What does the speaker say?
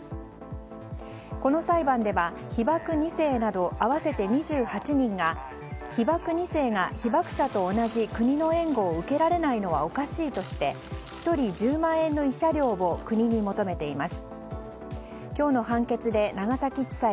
この裁判では被爆２世など合わせて２８人が被爆２世が被爆者と同じ国の援護を受けられないのはおかしいとして１人１０万円の慰謝料を国に求めています。